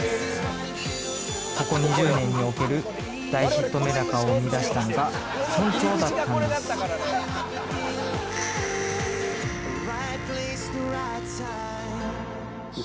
ここ２０年における大ヒットめだかを生み出したのが村長だったんですただいま。